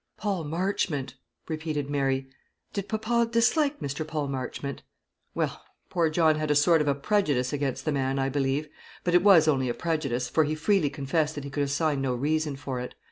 "Paul Marchmont!" repeated Mary. "Did papa dislike Mr. Paul Marchmont?" "Well, poor John had a sort of a prejudice against the man, I believe; but it was only a prejudice, for he freely confessed that he could assign no reason for it.